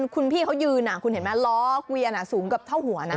คุณพี่เขายืนคุณเห็นไหมล้อเกวียนสูงกับเท่าหัวนะ